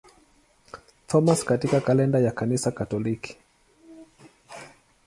Thomas katika kalenda ya Kanisa Katoliki.